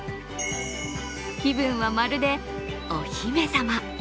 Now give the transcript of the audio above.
気分はまるで、お姫様。